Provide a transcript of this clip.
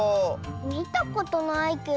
みたことないけど。